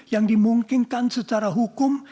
yang dimungkinkan secara hukum